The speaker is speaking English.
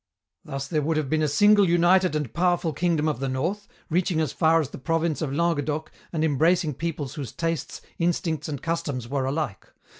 Thus there would have been a single united and powerful kingdom of the North, reaching as far as the province of Languedoc and embracing peoples whose tastes, instincts, and customs were alike.